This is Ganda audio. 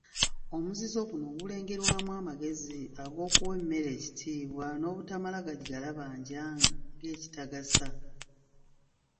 Omuzizo guno gulengerwamu amagezi ag’okuwa emmere ekitiibwa n’obutamala gagigalabanja ng’ekitagasa.